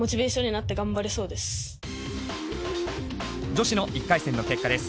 女子の１回戦の結果です。